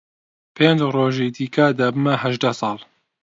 پێنج ڕۆژی دیکە دەبمە هەژدە ساڵ.